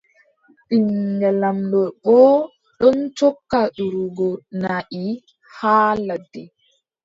Ɓiŋngel laamɗo boo ɗon tokka durugo naʼi haa ladde.